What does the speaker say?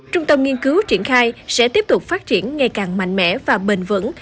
trung tâm nghiên cứu triển khai sẽ tiếp tục phát triển ngày càng mạnh mẽ và bền vững